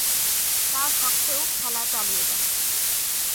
তাস্বত্ত্বেও খেলা চালিয়ে যান।